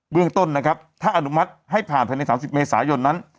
เรื่องต้นนะครับถ้าอนุมัติให้ผ่านภายใน๓๐เมษายนนั้น